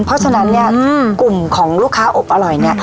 เพราะฉะนั้นกลุ่มของลูกค้าอบอร่อย